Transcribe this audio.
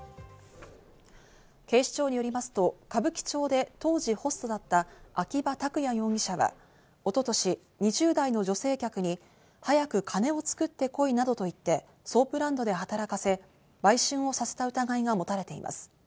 警視庁によりますと、歌舞伎町で当時ホストだった秋葉拓也容疑者は一昨年、２０代の女性客に早く金を作ってこいなどと言って、ソープランドで働かせ、売春をさせた疑いがもたれています。